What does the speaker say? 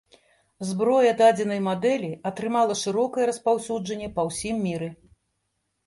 Зброя дадзенай мадэлі атрымала шырокае распаўсюджанне па ўсім міры.